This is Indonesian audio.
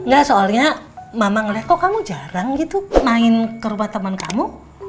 gak soalnya mama ngeliat kok kamu jarang gitu main kerubah temen kamu